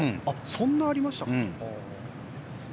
そんなにありましたか。